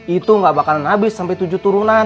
itu gak bakalan habis sampai tujuh turunan